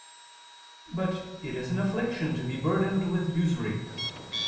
But it is an affliction to be burdened with usury.